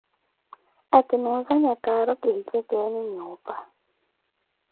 Akinuuzanya kaaro kihi jekeeni nyuupa.